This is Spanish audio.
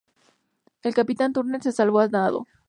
El capitán Turner se salvó a nado.